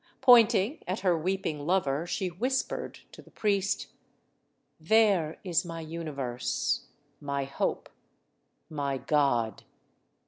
Pointing at her weeping lover, she whispered to the priest: "There is my Universe, my Hope, my God!"